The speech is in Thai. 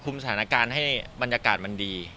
สถานการณ์ให้บรรยากาศมันดี